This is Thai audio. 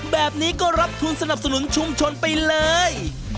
แบบนี้ก็รับทุนสนับสนุนชุมชนไปเลย